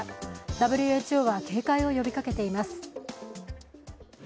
ＷＨＯは警戒を呼びかけています。